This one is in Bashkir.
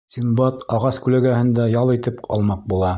Синдбад ағас күләгәһендә ял итеп алмаҡ була.